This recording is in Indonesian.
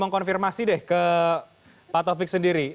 mengkonfirmasi deh ke pak taufik sendiri